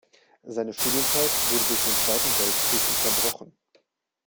Seine Studienzeit wurde durch den Zweiten Weltkrieg unterbrochen.